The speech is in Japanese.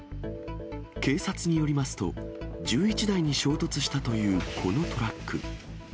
警察によりますと、１１台に衝突したというこのトラック。